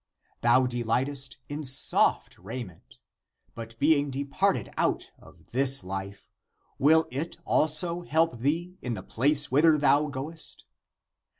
Thou de lightest in soft raiment ; but being departed out of this life, will it also help thee in the place whither thou goest?